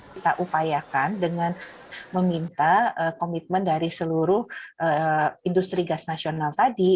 kita upayakan dengan meminta komitmen dari seluruh industri gas nasional tadi